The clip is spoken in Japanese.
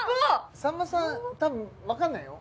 さんまさん多分わかんないよ